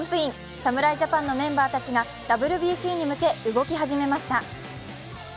侍ジャパンのメンバーたちがＷＢＣに向け動き始めました。